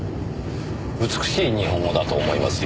美しい日本語だと思いますよ。